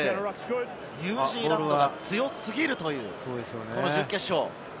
ニュージーランドが強すぎるという準決勝。